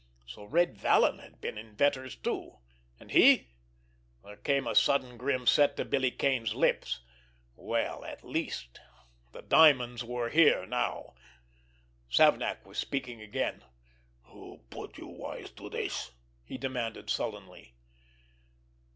So Red Vallon had been in Vetter's, too, had he? There came a sudden, grim set to Billy Kane's lips. Well, at least, the diamonds were here now! Savnak was speaking again. "Who put you wise to this?" he demanded sullenly.